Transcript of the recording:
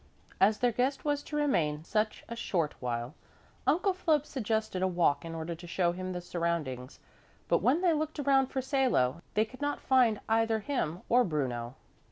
As their guest was to remain such a short while, Uncle Philip suggested a walk in order to show him the surroundings, but when they looked around for Salo, they could not find either him or Bruno.